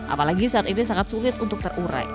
apalagi saat ini sangat sulit untuk terurai